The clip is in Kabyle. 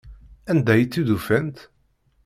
Anda ay tt-id-ufant?